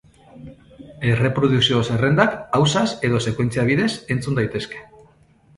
Erreprodukzio zerrendak ausaz edo sekuentzia bidez entzun daitezke.